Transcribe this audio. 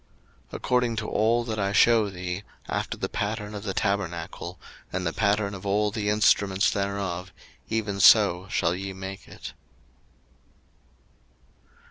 02:025:009 According to all that I shew thee, after the pattern of the tabernacle, and the pattern of all the instruments thereof, even so shall ye make it.